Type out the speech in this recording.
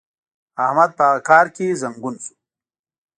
احمد په هغه کار کې زنګون شو.